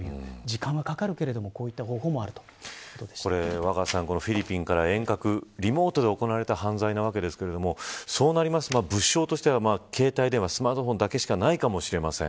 若狭さん、フィリピンから遠隔リモートで行われた犯罪なわけですがそうなりますと物証としては携帯電話スマートフォンだけしかないかもしれません。